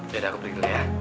yaudah aku pergi dulu ya